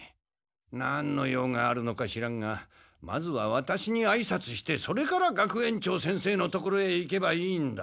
なんの用があるのか知らんがまずはワタシにあいさつしてそれから学園長先生のところへ行けばいいんだ。